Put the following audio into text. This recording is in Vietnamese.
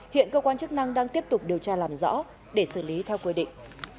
hiện cơ quan chức năng đang tiếp tục điều tra làm rõ để xử lý theo quy định